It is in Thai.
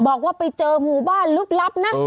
บอกว่าไปเจอหมู่บ้านลึกลับนะ